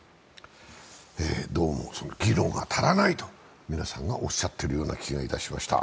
どうも議論が足らないと皆さんがおっしゃっているような気がしました。